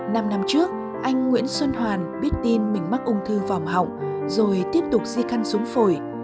năm năm trước anh nguyễn xuân hoàn biết tin mình mắc ung thư vòng họng rồi tiếp tục di căn súng phổi